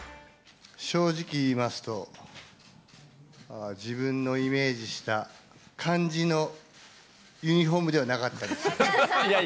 正直言いますと、自分のイメージした感じのユニホームではなかったです。